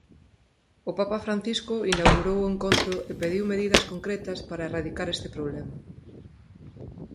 O papa Francisco inaugurou o encontro e pediu medidas concretas para erradicar este problema.